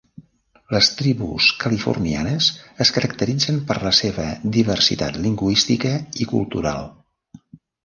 Les tribus californianes es caracteritzen per la seva diversitat lingüística i cultural.